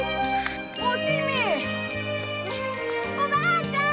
おばあちゃん！